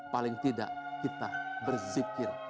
paling tidak kita bersikir